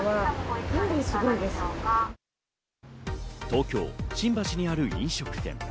東京・新橋にある飲食店。